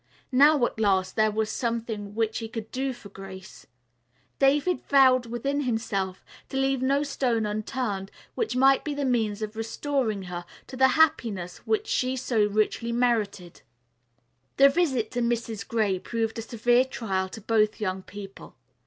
Now, at last, there was something which he could do for Grace. David vowed within himself to leave no stone unturned which might be the means of restoring to her the happiness which she so richly merited. The visit to Mrs. Gray proved a severe trial to both young people.